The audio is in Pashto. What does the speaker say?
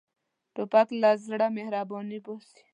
توپک له زړه مهرباني باسي.